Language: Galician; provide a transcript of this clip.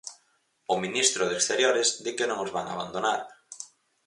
O ministro de Exteriores di que non os van a abandonar.